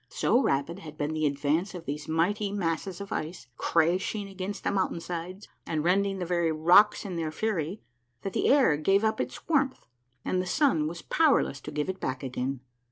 So rapid had been the advance of these mighty masses of ice, crashing against the mountain sides and rending the very rocks in their fury, that the air gave up its warmth, and the sun was powerless to give it back again.